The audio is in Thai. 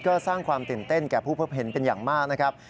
ก็สร้างความตื่นเต้นแก่ผู้พบเห็นเป็นอย่างมากนะครับ